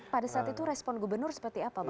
pada saat itu respon gubernur seperti apa pak